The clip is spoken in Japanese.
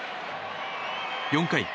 ４回。